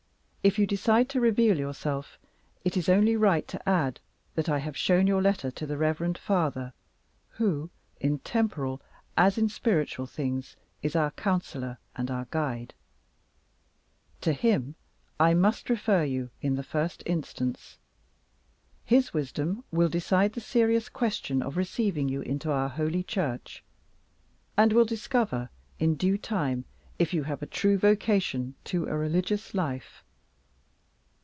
If you decide to reveal yourself, it is only right to add that I have shown your letter to the Reverend Father who, in temporal as in spiritual things, is our counselor and guide. To him I must refer you, in the first instance. His wisdom will decide the serious question of receiving you into our Holy Church, and will discover, in due time, if you have a true vocation to a religious life.